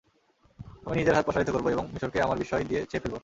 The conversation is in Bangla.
আমি নিজের হাত প্রসারিত করব, এবং মিশরকে আমার বিস্ময় দিয়ে ছেয়ে ফেলব।